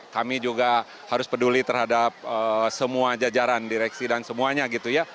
kami juga harus peduli terhadap semua jajaran direksi dan semuanya gitu ya